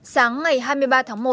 sáng ngày hai mươi ba tháng một